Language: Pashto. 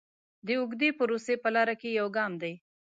د اوږدې پروسې په لاره کې یو ګام دی.